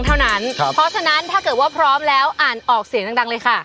แต่ว่าพร้อมแล้วอ่านออกเสียงดังเลยค่ะ